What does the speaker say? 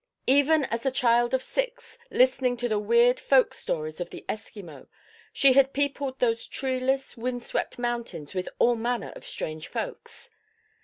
Even as a child of six, listening to the weird folk stories of the Eskimo, she had peopled those treeless, wind swept mountains with all manner of strange folks.